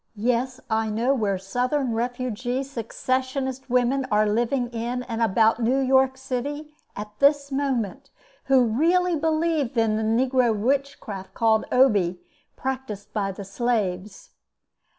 Yes, I know where Southern refugee secessionist women are living in and about New York city at this moment, who really believe in the negro witchcraft called Obi, practiced by the slaves.